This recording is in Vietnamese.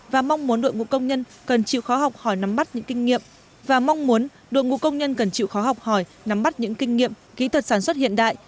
và mong muốn đội ngũ công nhân cần chịu khó học hỏi nắm bắt những kinh nghiệm kỹ thuật sản xuất hiện đại